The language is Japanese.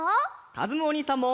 かずむおにいさんも。